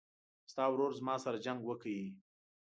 ستا ورور زما سره جنګ وکړ